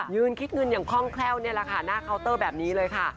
คิดเงินอย่างคล่องแคล่วนี่แหละค่ะหน้าเคาน์เตอร์แบบนี้เลยค่ะ